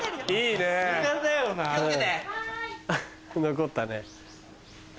残ったね。